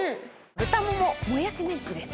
豚もももやしメンチです。